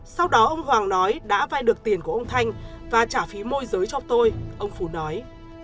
sau đó ông hoàng nói đã vay được tiền của ông thanh và trả phí môi giới cho tôi ông phú nói